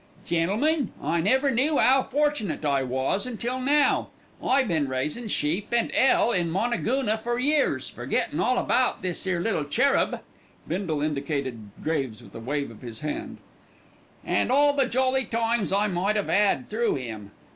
"Gentlemen, I never knew 'ow fortunate I was until now. I been raisin' sheep and 'ell in Moonagoona for years, forgettin' all about this 'ere little cherub," Bindle indicated Graves with a wave of his hand, "and all the jolly times I might 'ave 'ad through 'im.